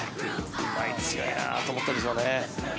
うまいなと思ったでしょうね。